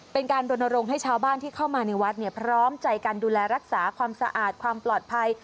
เป็นการรณรงค์ให้ชาวบ้านที่เข้ามาในวัดพร้อมใจการดูแลรักษาความสะอาดความปลอดภัย